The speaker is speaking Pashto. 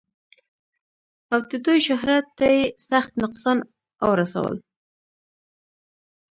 او د دوي شهرت تۀ ئې سخت نقصان اورسولو